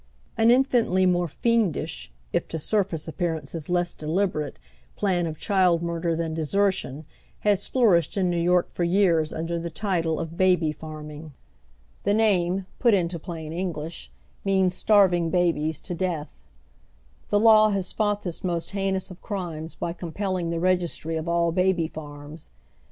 An infinitely more fiendish, if to surface appearances oy Google WAIFS OF THE city's SLUMS, 191 less deliberate, plan of diild murder than < flourished in New York for years under the title of baby fanning. The name, put into plain English, means starv ing babies to death. The law has fought this most hein ous of crimes by compelling the registry of all baby farms.